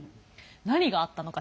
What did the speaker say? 何があったのか